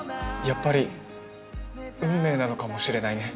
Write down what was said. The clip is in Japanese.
やっぱり運命なのかもしれないね。